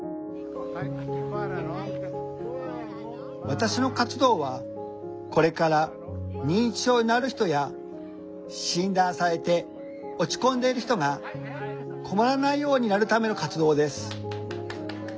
「私の活動はこれから認知症になる人や診断されて落ち込んでいる人が困らないようになるための活動です」。